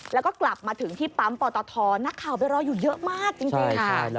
แล้วก็กลับมาถึงที่ปั๊มปตทนักข่าวไปรออยู่เยอะมากจริงค่ะ